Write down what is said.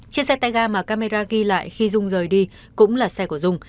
chiếc xe tay ga mà camera ghi lại khi dung rời đi cũng là xe của dung